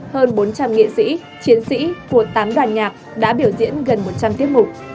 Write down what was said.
hơn bốn trăm linh nghệ sĩ chiến sĩ của tám đoàn nhạc đã biểu diễn gần một trăm linh tiết mục